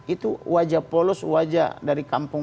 itu wajah polos wajah dari kampung